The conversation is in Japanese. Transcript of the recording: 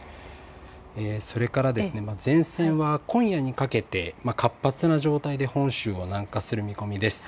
それから前線は今夜にかけて活発な状態で本州を南下する見込みです。